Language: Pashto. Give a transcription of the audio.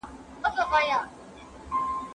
که ښوونکی دروغ ووايي نو زده کوونکي باور له لاسه ورکوي.